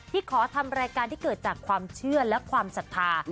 ขอทำรายการที่เกิดจากความเชื่อและความศรัทธา